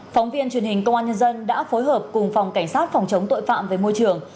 phóng viên truyền hình công an nhân dân đã phối hợp cùng phòng cảnh sát phòng chống tội phạm về môi trường